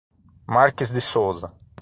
Marques de Souza